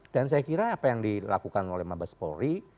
dan saya kira apa yang dilakukan oleh mbak bespori